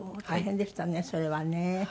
大変でしたねそれはね。